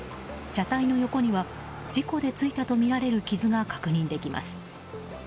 車体の横には事故でついたとみられる傷が確認できます。